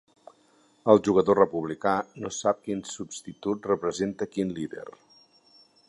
El jugador republicà no sap quin substitut representa quin líder.